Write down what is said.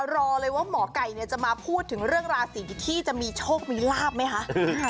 รอเลยว่าหมอไก่จะมาพูดถึงเรื่องราศีที่จะมีโชคมีลาบไหมคะ